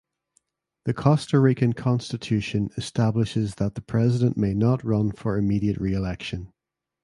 The Costa Rican Constitution establishes that the President may not run for immediate reelection.